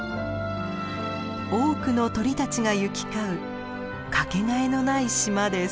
多くの鳥たちが行き交うかけがえのない島です。